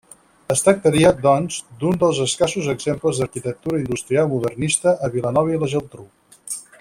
Es tractaria, doncs, d'un dels escassos exemples d'arquitectura industrial modernista a Vilanova i la Geltrú.